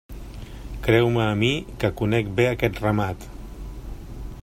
Creu-me a mi, que conec bé aquest ramat.